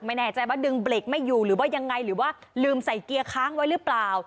ไม่แน่ใจว่าดึงเบรกไม่อยู่หรือว่ายังไงหรือว่าลืมใส่เกียร์ค้างไว้หรือเปล่า